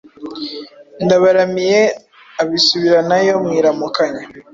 Ndabaramiye abisubiranayo. Mu iramukanya,